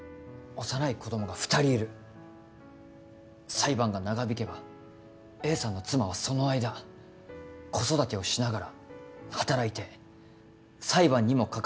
裁判が長引けばＡさんの妻はその間子育てをしながら働いて裁判にも関わらなければならない。